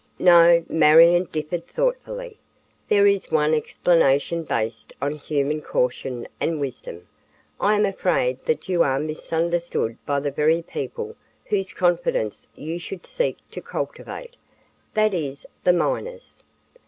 "No," Marion differed thoughtfully. "There is one explanation based on human caution and wisdom. I am afraid that you are misunderstood by the very people whose confidence you should seek to cultivate, that is the miners.